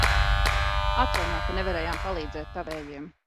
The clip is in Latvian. Atvaino, ka nevarējām palīdzēt tavējiem.